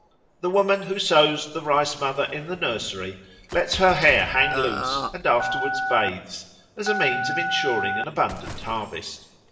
The woman who sows the Rice mother in the nursery lets her hair hang loose and afterwards bathes, as a means of ensuring an abundant harvest.